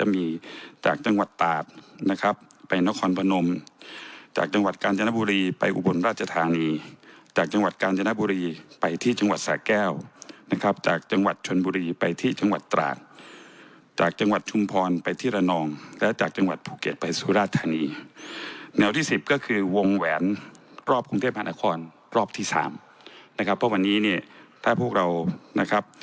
มหานครรอบที่สามนะครับเพราะวันนี้เนี่ยถ้าพวกเรานะครับ